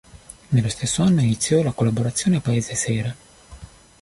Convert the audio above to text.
Nello stesso anno iniziò la collaborazione a "Paese Sera".